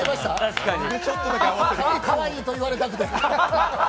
かわいいと言われたくて。